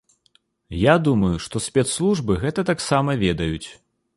Я думаю, што спецслужбы гэта таксама ведаюць.